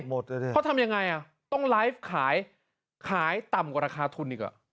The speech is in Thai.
เพราะทำยังไงต้องไลฟ์ขายกว่าต่ำราคาทุน